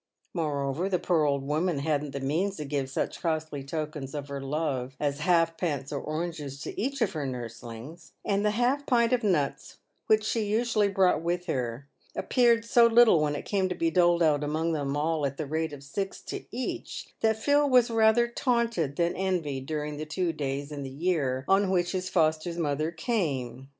Moreover, the poor old woman hadn't the means to give such costly tokens of her love as halfpence or oranges to each of her nurslings ; and the half pint of nuts, which she usually brought with her, appeared so little when it came to be doled out among them all at the rate of six to each, that Phil was rather taunted than envied during the two days in the year on which his foster mother came.